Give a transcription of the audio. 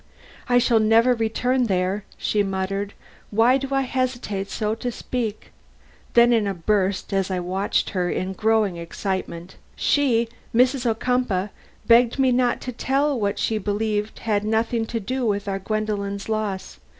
"I shall never return there," she muttered; "why do I hesitate so to speak!" Then in a burst, as I watched her in growing excitement: "She Mrs. Ocumpaugh begged me not to tell what she believed had nothing to do with our Gwendolen's loss.